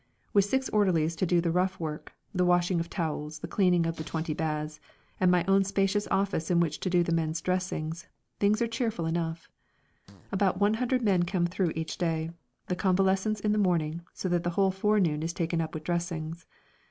With six orderlies to do the rough work the washing of towels, the cleaning of the twenty baths, and my own spacious office in which to do the men's dressings things are cheerful enough. About 100 men come through each day the convalescents in the morning, so that the whole forenoon is taken up with dressings.